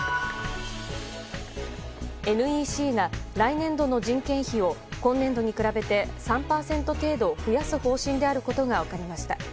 ＮＥＣが来年度の人件費を今年度に比べて３％程度増やす方針であることが分かりました。